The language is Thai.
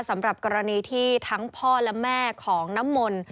สำหรับกรณีที่ทั้งพ่อและแม่ของน้ำมนต์